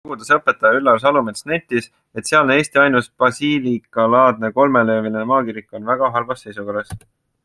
Urvaste koguduse õpetaja Üllar Salumets nentis, et sealne Eesti ainus basiilikalaadne kolmelööviline maakirik on väga halvas seisukorras.